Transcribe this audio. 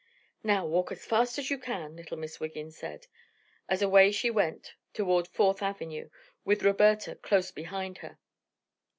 "Now walk as fast as you can," little Miss Wiggin said, as away she went toward Fourth Avenue, with Roberta close behind her.